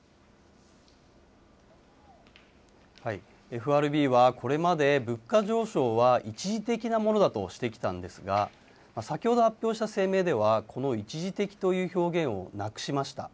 ＦＲＢはこれまで物価上昇は一時的なものだとしてきたんですが、先ほど発表した声明では、この一時的という表現をなくしました。